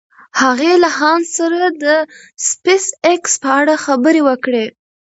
هغې له هانس سره د سپېساېکس په اړه خبرې وکړې.